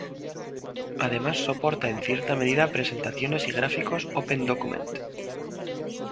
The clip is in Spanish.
Además soporta en cierta medida presentaciones y gráficos OpenDocument.